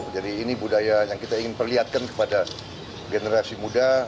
jadi ini budaya yang ingin kita perlihatkan kepada generasi muda